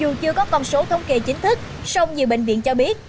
dù chưa có con số thông kỳ chính thức song nhiều bệnh viện cho biết